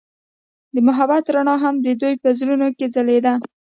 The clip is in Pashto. د محبت رڼا هم د دوی په زړونو کې ځلېده.